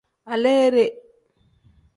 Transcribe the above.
Aleere.